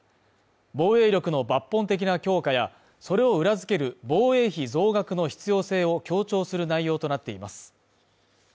防衛力の抜本的な強化やそれを裏付ける防衛費増額の必要性を強調する内容となっています